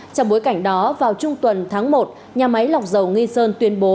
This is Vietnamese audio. trong bối cảnh đó vào trung tuần tháng một nhà máy lọc dầu nghi sơn tuyên bố